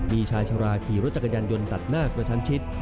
มีชายชะลาขี่รถจักรยานยนต์ตัดหน้ากระชั้นชิด